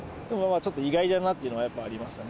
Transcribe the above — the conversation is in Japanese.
ちょっと意外だなというのがやっぱありましたね。